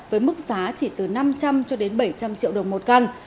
với mức giá chỉ từ năm trăm linh cho đến bảy trăm linh triệu đồng một căn